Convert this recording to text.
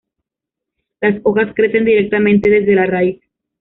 Las hojas crecen directamente desde la raíz.